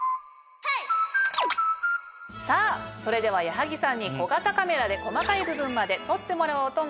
さぁそれでは矢作さんに小型カメラで細かい部分まで撮ってもらおうと思います。